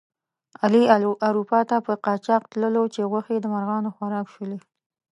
علي اروپا ته په قاچاق تللو چې غوښې د مرغانو خوراک شولې.